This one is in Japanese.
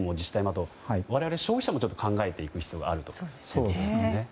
あとは我々、消費者も考えていく必要があることですよね。